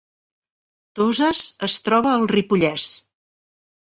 Toses es troba al Ripollès